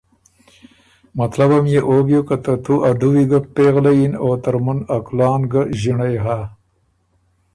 مطلبم يې او بیوک که ترتُو ا دُوی ګه پېغلئ یِن او ترمُن ا کلان يې ګه ݫِنړئ هۀ۔